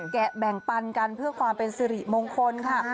แกะแบ่งปันกันเพื่อความเป็นสิริมงคลค่ะ